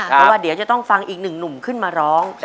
เพราะว่าเดี๋ยวจะต้องฟังอีกหนึ่งหนุ่มขึ้นมาร้อง